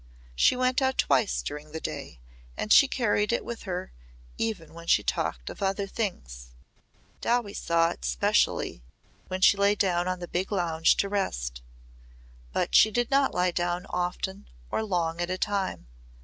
She went out twice during the day and she carried it with her even when she talked of other things. Dowie saw it specially when she lay down on the big lounge to rest. But she did not lie down often or long at a time.